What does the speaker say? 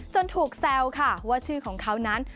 ถูกแซวค่ะว่าชื่อของเขานั้น